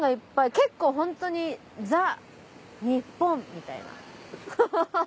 結構ホントにザ・ニッポンみたいな。